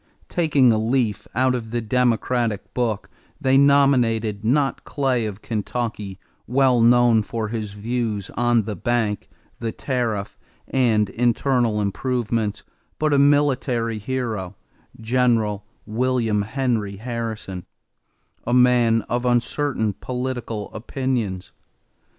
Taking a leaf out of the Democratic book, they nominated, not Clay of Kentucky, well known for his views on the bank, the tariff, and internal improvements, but a military hero, General William Henry Harrison, a man of uncertain political opinions.